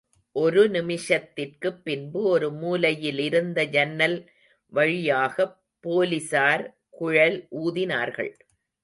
ஒரு நிமிஷத்திற்குப் பின்பு ஒரு மூலையிலிருந்த ஜன்னல் வழியாகப் போலிஸார் குழல் ஊதினார்கள்.